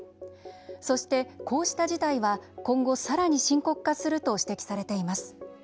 そして、こうした事態は今後、さらに深刻化すると指摘されています。